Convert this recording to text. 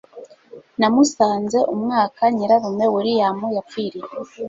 Namusanze umwaka nyirarume William yapfiriye.